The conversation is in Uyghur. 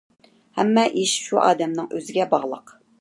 ھەممە ئىش شۇ ئادەمنىڭ ئۆزىگە باغلىق.